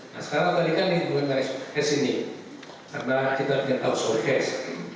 nah sekarang balikan ke sini karena kita punya tahu soal kes